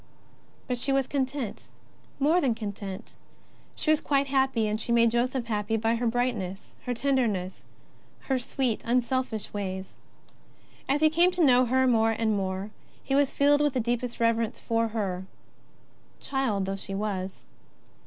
But she was content, more than content ; she was quite happy, and she made Joseph happy by her brightness, her tenderness, her sweet, un selfish ways. As he came to know her more and more, he was filled with the deepest reverence for her, child though she was.